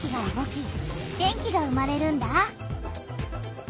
電気が生まれるんだ。